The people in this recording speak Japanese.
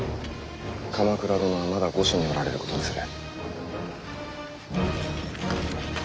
鎌倉殿はまだ御所におられることにする。